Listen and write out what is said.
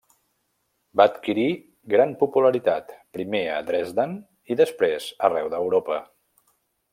Va adquirir gran popularitat, primer a Dresden i després arreu d'Europa.